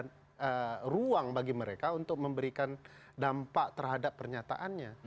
ada ruang bagi mereka untuk memberikan dampak terhadap pernyataannya